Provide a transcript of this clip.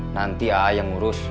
nanti aa yang urus